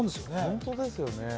本当ですよね。